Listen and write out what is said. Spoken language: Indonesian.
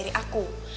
jadi mama tiga aku